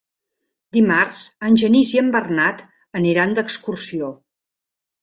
Dimarts en Genís i en Bernat aniran d'excursió.